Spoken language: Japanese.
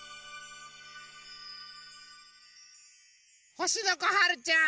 ほしのこはるちゃん！